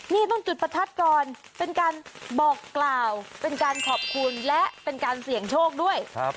นี่ต้องจุดประทัดก่อนเป็นการบอกกล่าวเป็นการขอบคุณและเป็นการเสี่ยงโชคด้วย